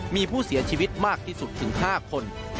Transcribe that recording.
มีผู้เสียชีวิตมากที่สุดถึง๕คน